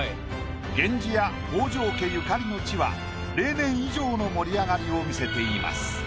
源氏や北条家ゆかりの地は例年以上の盛り上がりを見せています。